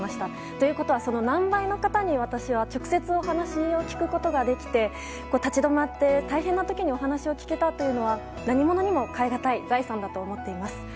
ということは、その何倍の方に私は直接お話を聞くことができて立ち止まって大変な時にお話を聞けたというのは何物にも代えがたい財産だと思っています。